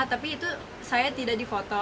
tapi itu saya tidak difoto